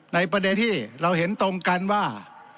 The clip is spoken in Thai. ประเด็นที่เราเห็นตรงกันว่า